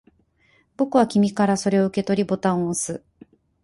僕は君からそれを受け取り、ボタンを押す